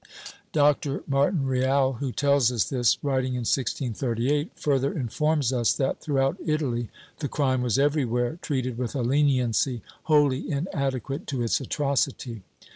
^ Dr. Martin Real, who tells us this, waiting in 1638, further informs us that, throughout Italy, the crime was everywhere treated with a leniency wholly inadequate to its atrocity.